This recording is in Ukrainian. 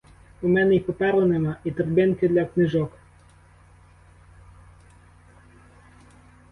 У мене й паперу нема, і торбинки для книжок.